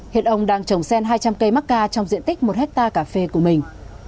hiện ông đang trồng sen hai trăm linh cây mắc ca trong diện tích một hectare cà phê của mình